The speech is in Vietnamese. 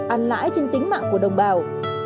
ăn lãi trên tính mạng của đồng bào